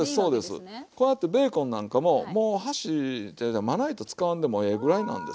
こうやってベーコンなんかももう箸ちゃうちゃうまな板使わんでもええぐらいなんですよ。